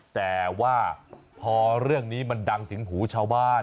แต่ว่าพอเรื่องนี้มันดังถึงหูชาวบ้าน